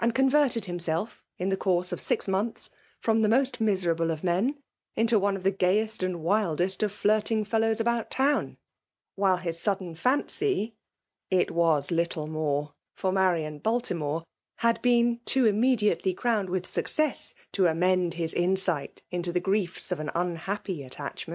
converted himself^ in the course of six mpnthsy from the most miserable of men/' into one of the gayest and wildest of flirting feUows about town ; while his sudden fancy (it was ^little more) for Marian Baltimore had been too immediately, crowned with success^ to amend his insight into the griefs of an unhappy attachment.